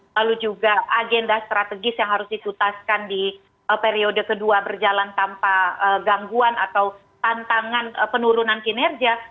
lalu juga agenda strategis yang harus ditutaskan di periode kedua berjalan tanpa gangguan atau tantangan penurunan kinerja